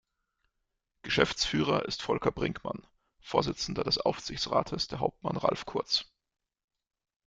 Geschäftsführer ist Volker Brinkmann, Vorsitzender des Aufsichtsrates der Hauptmann Ralf Kurz.